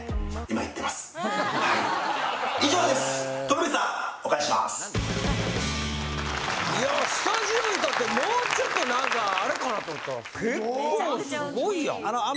いやスタジオいうたってもうちょっと何かあれかなと思ったら結構すごいやん！